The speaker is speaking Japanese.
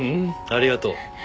ありがとう。